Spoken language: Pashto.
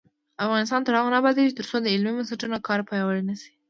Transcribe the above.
افغانستان تر هغو نه ابادیږي، ترڅو د علمي بنسټونو کار پیاوړی نشي.